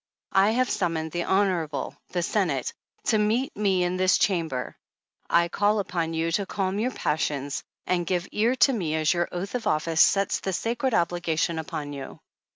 I have summoned the Honor able the Senate, to meet me in this Chamber. I call upon you to calm your passions, and give ear to me as your oath of office sets the sacred obliga tion upon you."